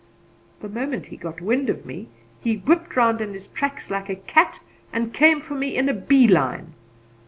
The moment he got wind of me, he whipped round in his tracks like a cat and came for me in a bee line.